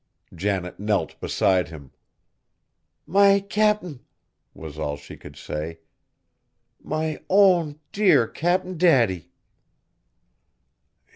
Janet knelt beside him. "My Cap'n!" was all she could say; "my own, dear Cap'n Daddy!"